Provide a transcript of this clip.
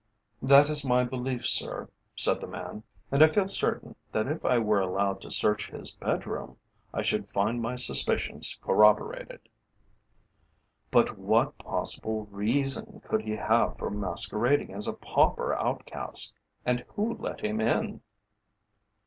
"That is my belief, sir," said the man; "and I feel certain that if I were allowed to search his bedroom, I should find my suspicions corroborated." "But what possible reason could he have for masquerading as a pauper outcast, and who let him in?"